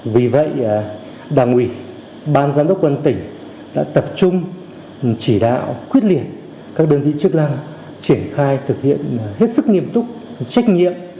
vì vậy đảng ủy ban giám đốc quân tỉnh đã tập trung chỉ đạo quyết liệt các đơn vị chức năng triển khai thực hiện hết sức nghiêm túc trách nhiệm